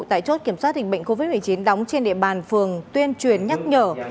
tại chốt kiểm soát dịch bệnh covid một mươi chín đóng trên địa bàn phường tuyên truyền nhắc nhở